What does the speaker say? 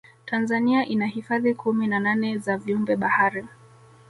tanzania ina hifadhi kumi na nane za viumbe bahari